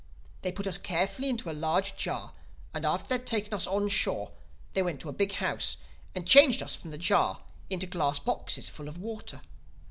They put us carefully into a large jar and after they had taken us on shore they went to a big house and changed us from the jar into glass boxes full of water.